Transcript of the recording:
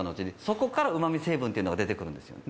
そこからうま味成分っていうのが出て来るんですよ。